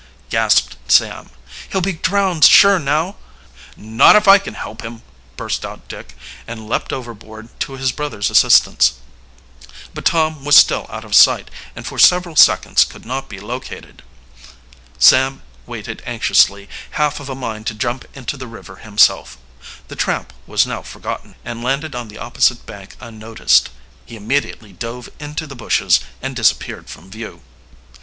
gasped Sam. "He'll be drowned sure now!" "Not if I can help him!" burst out Dick, and leaped overboard to his brother's assistance. But Tom was still out of sight, and for several seconds could not be located. Sam waited anxiously, half of a mind to jump into the river himself. The tramp was now forgotten, and landed on the opposite bank unnoticed. He immediately dove into the bushes, and disappeared from view.